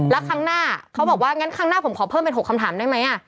แล้วครั้งหน้าเขาบอกว่างั้นครั้งหน้าผมขอเพิ่มเป็น๖คำถามได้ไหม